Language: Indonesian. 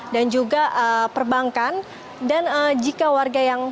dan juga perbankan dan jika warga yang